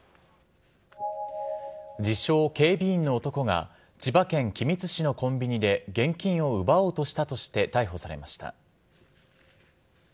自称警備員の男が、千葉県君津市のコンビニで現金を奪おうとしたとして、逮捕されました。